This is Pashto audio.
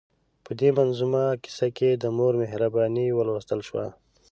په دې منظومه کیسه کې د مور مهرباني ولوستل شوه.